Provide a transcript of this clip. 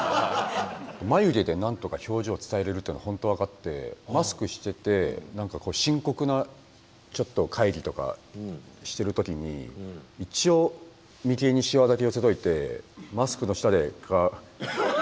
眉毛でなんとか表情を伝えれるというのは本当分かってマスクしてて何か深刻な会議とかしてる時に一応眉間にしわだけ寄せといてマスクの下でこう。